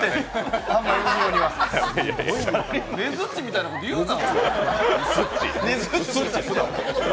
ねづっちみたいなこと言うな。